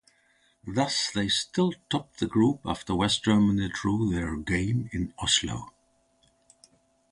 Thus they still topped the group after West Germany drew their game in Oslo.